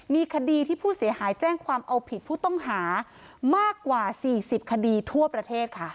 มีคดีที่ผู้เสียหายแจ้งความเอาผิดผู้ต้องหามากกว่า๔๐คดีทั่วประเทศค่ะ